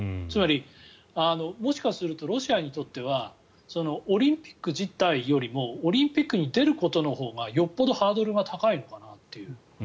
つまり、もしかするとロシアにとってはオリンピック自体よりもオリンピックに出ることのほうがよほどハードルが高いのかなと。